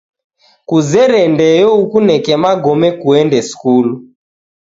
Kuzere ndeyo ukuneke magome kuende skuli.